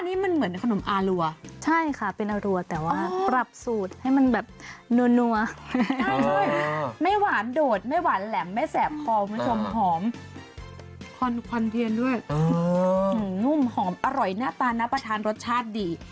นุ่มหอมอร่อยหน้าตานับประทานรสชาติดี